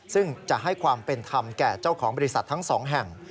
ซึ่งจะให้ความเป็นธรรมแก่เจ้าของบริษัททั้งสองแห่ง